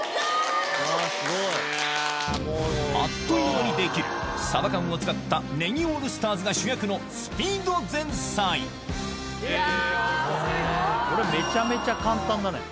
あっという間にできるサバ缶を使ったネギオールスターズが主役のスピード前菜いやすごい。